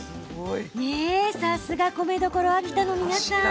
さすが米どころ秋田の皆さん